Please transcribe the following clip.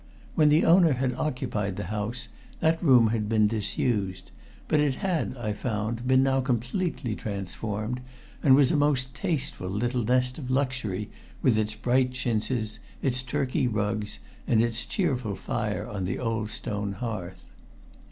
When the owner had occupied the house that room had been disused, but it had, I found, been now completely transformed, and was a most tasteful little nest of luxury with its bright chintzes, its Turkey rugs and its cheerful fire on the old stone hearth.